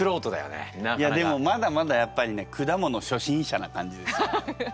でもまだまだやっぱりね果物初心者な感じですよね。